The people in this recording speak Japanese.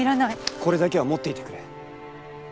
これだけは持っていてくれ。